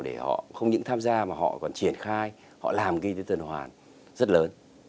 để họ không những tham gia mà họ còn triển khai họ làm kinh tế tuần hoàn rất lớn